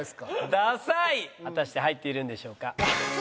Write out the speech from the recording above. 「ダサい」果たして入っているんでしょうか？